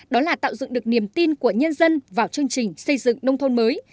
đó là tạo dựng được niềm tin của nhân dân vào chương trình xây dựng nông thôn mới